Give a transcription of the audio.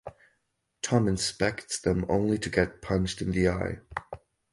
Tom inspects them only to get punched in the eye.